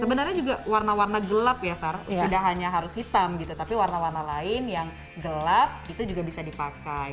sebenarnya juga warna warna gelap ya sar tidak hanya harus hitam gitu tapi warna warna lain yang gelap itu juga bisa dipakai